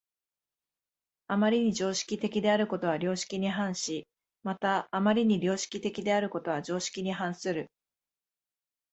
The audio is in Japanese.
余りに常識的であることは良識に反し、また余りに良識的であることは常識に反する。